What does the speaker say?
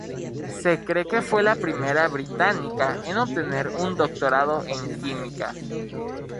Se cree que fue la primera británica en obtener un doctorado en química.